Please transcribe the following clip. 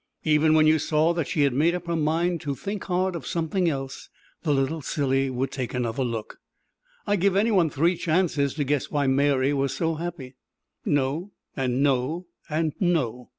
Even when you saw that she had made up her mind to think hard of something else, the little silly would take another look. I give anyone three chances to guess why Mary was so happy. No and no and no.